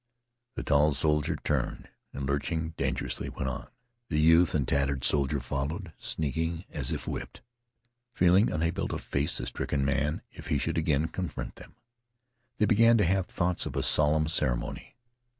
The tall soldier turned and, lurching dangerously, went on. The youth and the tattered soldier followed, sneaking as if whipped, feeling unable to face the stricken man if he should again confront them. They began to have thoughts of a solemn ceremony.